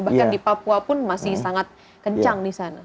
bahkan di papua pun masih sangat kencang di sana